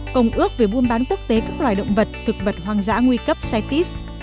công ước về buôn bán quốc tế các loài động vật thực vật hoang dã nguy cấp cites